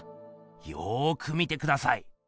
よく見てください。